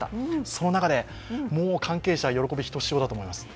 その中で関係者、喜びひとしおだと思います。